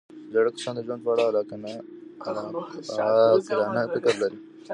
زاړه کسان د ژوند په اړه عاقلانه فکر لري